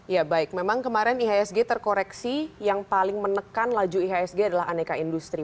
ya baik memang kemarin ihsg terkoreksi yang paling menekan laju ihsg adalah aneka industri